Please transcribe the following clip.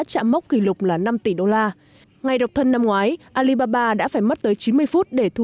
chạm mốc kỷ lục là năm tỷ đô la ngày độc thân năm ngoái alibaba đã phải mất tới chín mươi phút để thu